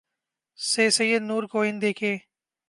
سے سید نور کو ان دیکھے